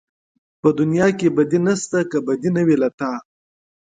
په دنيا کې بدي نشته که بدي نه وي له تا